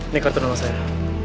ini kartu nomor saya